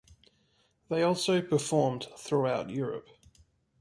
They also performed throughout Europe.